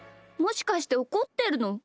もしかしておこってるの？